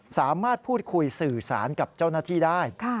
สามารถพูดคุยสื่อสารกับเจ้าหน้าที่ได้